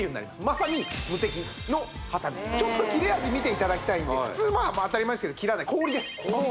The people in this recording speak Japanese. まさにちょっと切れ味見ていただきたいんで普通当たり前ですけど切らない氷です